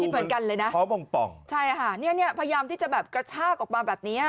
พยายามที่จะแบบกระชากออกมาแบบนี้